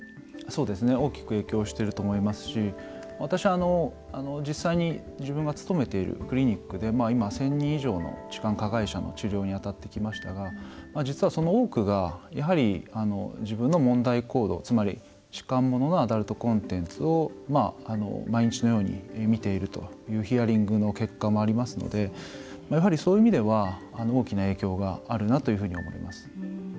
大きく影響していると思いますし私、実際に自分が勤めているクリニックで今、１０００人以上の痴漢加害者の治療に当たってきましたが実は、その多くが自分の問題行動つまり痴漢もののアダルトコンテンツを毎日のように見ているというヒアリングの結果もありますのでやはりそういう意味では大きな影響があるなと思います。